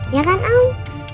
ya kan om